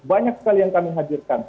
banyak sekali yang kami hadirkan